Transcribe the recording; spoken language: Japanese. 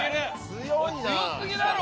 強すぎだろ！